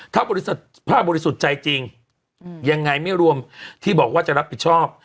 ถ้าบริษัทผ้าบริสุทธิ์ใจจริงยังไงไม่รวมที่บอกว่าจะรับผิดชอบ